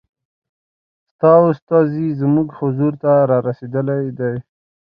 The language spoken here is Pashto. ستا استازی زموږ حضور ته را رسېدلی دی.